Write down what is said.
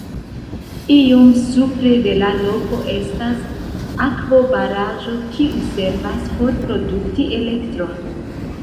Iom supre de la loko estas akvobaraĵo, kiu servas por produkti elektron.